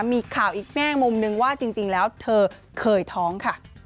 มีข่าวอีกแง่มุมนึงว่าจริงแล้วเธอเคยท้องค่ะ